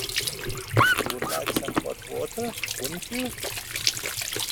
You would like some hot water, wouldn't you?